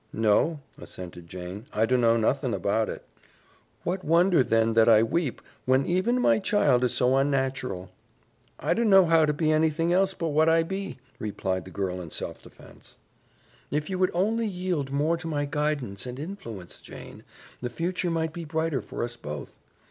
"No," assented Jane. "I dunno nothin' about it." "What wonder, then that I weep, when even my child is so unnatural!" "I dunno how to be anything else but what I be," replied the girl in self defense. "If you would only yield more to my guidance and influence, Jane, the future might be brighter for us both.